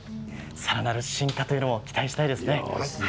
さらなる進化を期待したいですね。